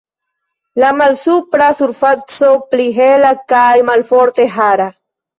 La malsupra surfaco pli hela kaj malforte hara.